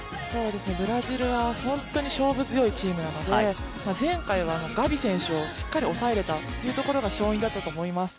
ブラジルは本当に勝負強いチームなので、前回はガビ選手をしっかり抑えられたのが勝因だったと思います。